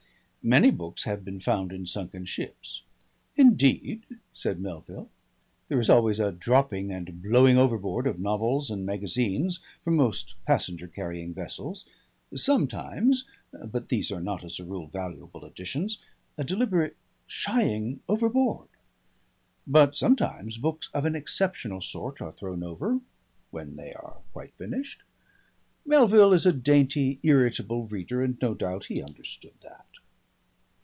Many books have been found in sunken ships. "Indeed!" said Melville. There is always a dropping and blowing overboard of novels and magazines from most passenger carrying vessels sometimes, but these are not as a rule valuable additions a deliberate shying overboard. But sometimes books of an exceptional sort are thrown over when they are quite finished. (Melville is a dainty irritable reader and no doubt he understood that.)